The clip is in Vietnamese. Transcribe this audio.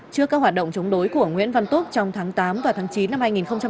trước các hoạt động chống đối của nguyễn văn túc trong tháng tám và tháng chín năm hai nghìn hai mươi ba